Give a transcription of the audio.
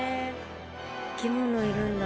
生き物いるんだ。